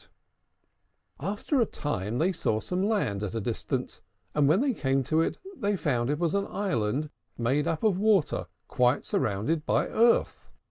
After a time, they saw some land at a distance; and, when they came to it, they found it was an island made of water quite surrounded by earth.